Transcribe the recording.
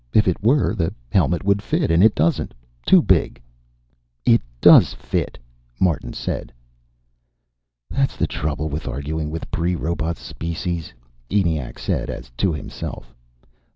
"If it were, the helmet would fit, and it doesn't. Too big." "It does fit," Martin said. "That's the trouble with arguing with pre robot species," ENIAC said, as to himself.